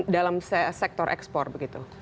dalam sektor ekspor begitu